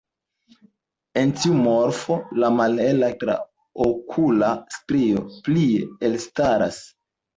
En tiu morfo la malhela traokula strio plie elstaras.